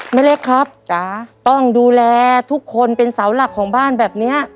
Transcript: แม่เล็กครับจ๋าต้องดูแลทุกคนเป็นเสาหลักของบ้านแบบนี้